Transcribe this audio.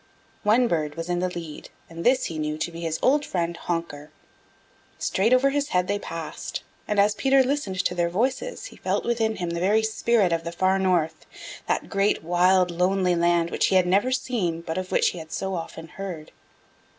One bird was in the lead and this he knew to be his old friend, Honker. Straight over his head they passed and as Peter listened to their voices he felt within him the very spirit of the Far North, that great, wild, lonely land which he had never seen but of which he had so often heard.